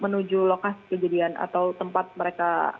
menuju lokasi kejadian atau tempat mereka